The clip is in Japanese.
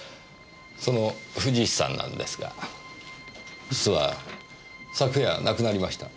その藤石さんなんですが実は昨夜亡くなりました。